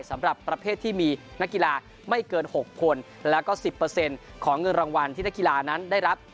รับสำหรับประเภทที่มีนักกีฬาไม่เกินหกคนแล้วก็สิบเปอร์เซ็นต์ของเงินรางวัลที่นักกีฬานั้นได้รับ